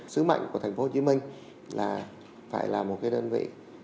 sứ mệnh của thành phố hồ chí minh là phải là một cái đơn vị